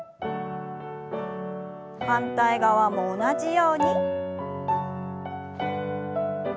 反対側も同じように。